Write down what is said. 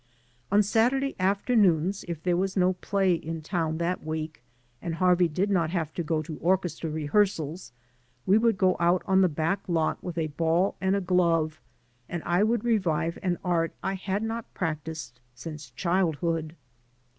On Saturday afternoons, if there was no play in town that week, and Harvey did not have to go to orchestra rehearsals, we would go out on the back lot with a ball and a glove and I would revive an art I had not prac tised since childhood.